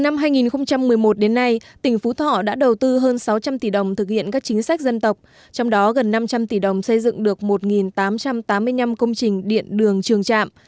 một đến nay tỉnh phú thọ đã đầu tư hơn sáu trăm linh tỷ đồng thực hiện các chính sách dân tộc trong đó gần năm trăm linh tỷ đồng xây dựng được một tám trăm tám mươi năm công trình điện đường trường trạm